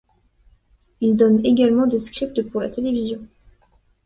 Il donne également des scripts pour la télévision.